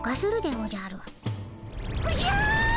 おじゃ！